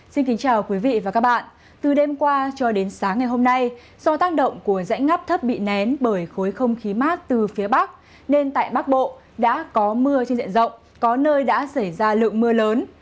xin kính chào quý vị và các bạn từ đêm qua cho đến sáng ngày hôm nay do tác động của dãy ngắp thấp bị nén bởi khối không khí mát từ phía bắc nên tại bắc bộ đã có mưa trên diện rộng có nơi đã xảy ra lượng mưa lớn